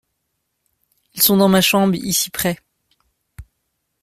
Ils sont dans ma chambre ici près.